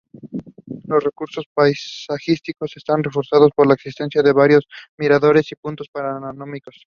Los recursos paisajísticos están reforzado por la existencia de varios miradores y puntos panorámicos.